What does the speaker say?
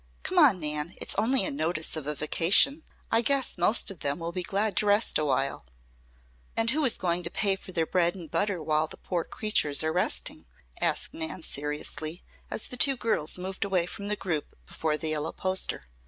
Come on, Nan. It's only a notice of a vacation. I guess most of them will be glad to rest awhile." "And who is going to pay for their bread and butter while the poor creatures are resting?" asked Nan seriously, as the two girls moved away from the group before the yellow poster.